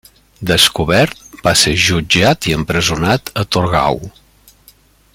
Descobert, va ser jutjat i empresonat a Torgau.